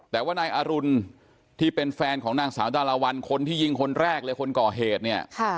แต่ว่านายอรุณที่เป็นแฟนของนางสาวดาราวัลคนที่ยิงคนแรกเลยคนก่อเหตุเนี่ย